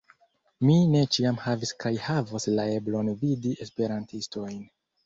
Mi ne ĉiam havis kaj havos la eblon vidi Esperantistojn.